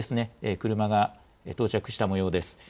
車が到着したもようです。